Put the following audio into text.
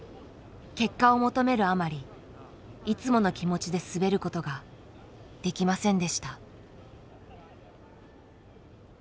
結果を求めるあまりいつもの気持ちで滑ることができませんでした。